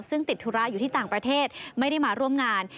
ซึ่งติดธุระอยู่ที่ต่างประเทศไม่ได้มาร่วมงาน